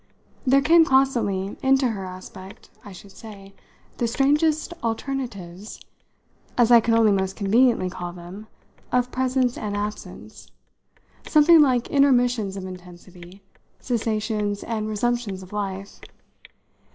There came constantly into her aspect, I should say, the strangest alternatives, as I can only most conveniently call them, of presence and absence something like intermissions of intensity, cessations and resumptions of life.